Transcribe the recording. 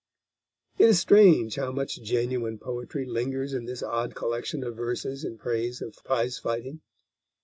It is strange how much genuine poetry lingers in this odd collection of verses in praise of prizefighting.